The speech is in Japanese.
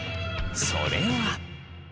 それは。